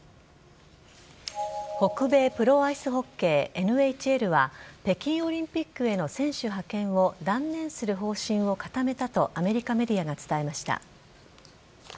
北米プロアイスホッケー・ＮＨＬは、北京オリンピックへの選手派遣を断念する方針を固めたとアメリカメディアが伝えました。